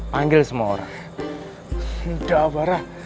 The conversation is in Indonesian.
hancurkan pasukan daniman